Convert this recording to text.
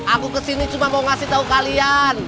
aku kesini cuma mau ngasih tahu kalian